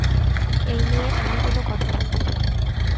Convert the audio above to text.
এই নিয়ে আমি কোনো কথা বলতে চাই না।